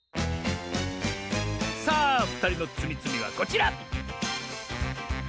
さあふたりのつみつみはこちら！